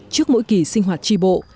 trước mỗi kỳ sinh hoạt trì bộ